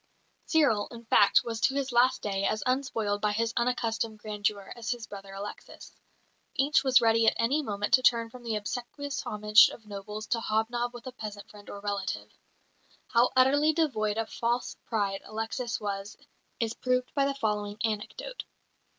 Cyril, in fact, was to his last day as unspoiled by his unaccustomed grandeur as his brother Alexis. Each was ready at any moment to turn from the obsequious homage of nobles to hobnob with a peasant friend or relative. How utterly devoid of false pride Alexis was is proved by the following anecdote.